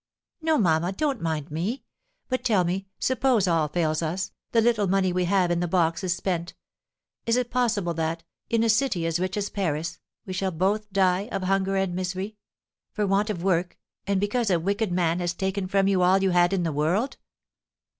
"No, mamma, don't mind me; but tell me, suppose all fails us, the little money we have in the box is spent, is it possible that, in a city as rich as Paris, we shall both die of hunger and misery for want of work, and because a wicked man has taken from you all you had in the world?"